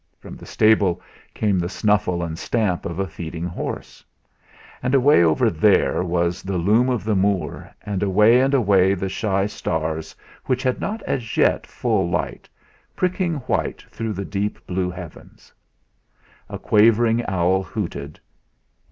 From the stable came the snuffle and stamp of a feeding horse. And away over there was the loom of the moor, and away and away the shy stars which had not as yet full light, pricking white through the deep blue heavens. A quavering owl hooted.